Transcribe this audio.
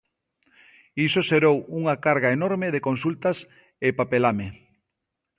Iso xerou unha carga enorme de consultas e papelame.